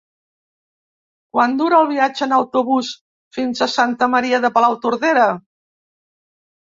Quant dura el viatge en autobús fins a Santa Maria de Palautordera?